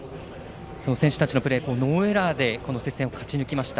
選手たちのプレーノーエラーで接戦を勝ち抜きました。